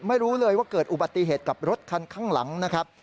ไม่รู้เลยว่าเกิดอุบัติเหตุกับรถคันข้างหลังนะครับ